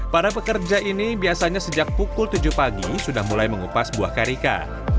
para pekerja ini biasanya sejak pukul tujuh pagi sudah mulai mengupas buah karika